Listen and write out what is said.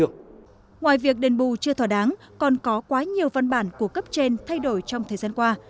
ngoài việc đền bù chưa thỏa đáng còn có quá nhiều văn bản của cấp trên thay đổi trong thời gian qua